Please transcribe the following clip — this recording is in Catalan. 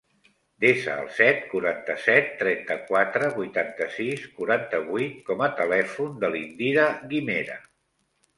Desa el set, quaranta-set, trenta-quatre, vuitanta-sis, quaranta-vuit com a telèfon de l'Indira Guimera.